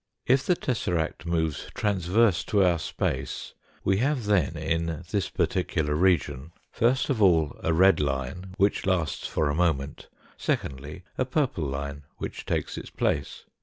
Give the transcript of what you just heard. If the tesseract moves transverse to our space we have then in this particular region, first of all a red line which lasts for a moment, secondly a purple line which takes its 180 THE FOURTH DIMENSION place.